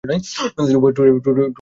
তাদের উভয়ের ঠোঁটে ছিল মুচকি হাসি।